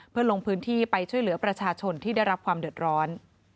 เพื่อลงพื้นที่ไปช่วยเหลือประชาชนที่ได้รับความเดือดร้อน